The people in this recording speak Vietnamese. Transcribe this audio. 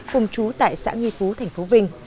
cùng chú tại xã nghệ phú tp vinh